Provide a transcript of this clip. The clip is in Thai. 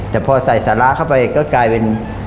แต่พอใส่สาระเข้าไปก็กลายเป็น